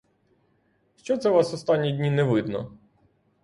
Що це вас останні дні не видно?